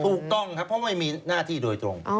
ถูกต้องครับเพราะไม่มีหน้าที่โดยตรง